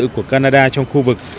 của thủ tướng canada trong khu vực